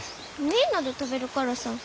みんなで食べるからさ。